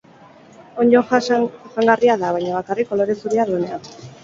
Onddo jangarria da, baina bakarrik kolore zuria duenean.